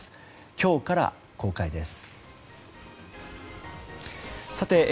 今日から公開です。